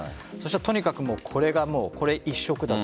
とにかくこれ一色だと。